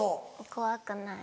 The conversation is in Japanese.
怖くない。